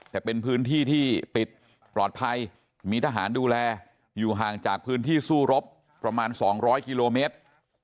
แต่เป็นพื้นที่ที่ปิดปลอดภัยมีทหารดูแลอยู่ห่างจากพื้นที่สู้รบประมาณ๒๐๐กิโลเมตร